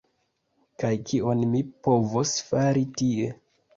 Kaj kion mi povos fari tie?